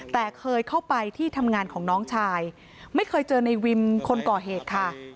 แต่เคยเข้าไปที่ทำงานของน้องชายไม่เคยเจอในวิมคนก่อเหตุค่ะ